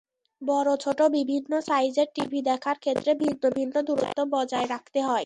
বড়-ছোট বিভিন্ন সাইজের টিভি দেখার ক্ষেত্রে ভিন্ন ভিন্ন দূরত্ব বজায় রাখতে হয়।